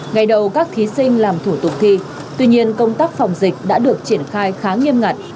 ngày đầu các thí sinh làm thủ tục thi tuy nhiên công tác phòng dịch đã được triển khai khá nghiêm ngặt